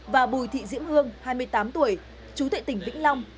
và bùi thị diễm hương hai mươi tám tuổi chú thệ tỉnh vĩnh long